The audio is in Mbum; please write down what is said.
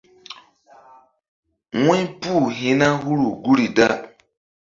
Wu̧ypu hi̧ na huru guri da.